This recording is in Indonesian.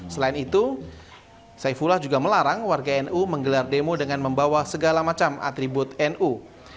selain itu saifullah juga melarang warga nu menggelar demo dengan membawa segala macam atribut nu